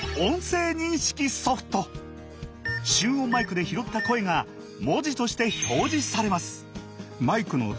集音マイクで拾った声が文字として表示されます。